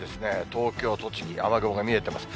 東京、栃木、雨雲が見えてます。